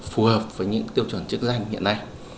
phù hợp với những tiêu chuẩn chức danh hiện nay